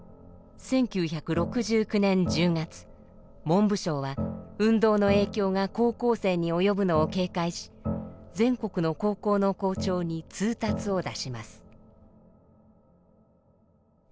文部省は運動の影響が高校生に及ぶのを警戒し全国の高校の校長に通達を出します。